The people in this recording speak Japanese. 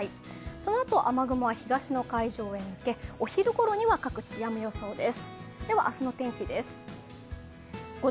そのあと、雨雲は東の海上へ抜け、お昼ごろには各地、やむ予想です。